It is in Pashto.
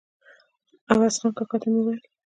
عوض خان کاکا ته مې وویل.